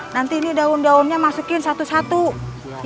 nanti ini daun daunnya masukin satu satunya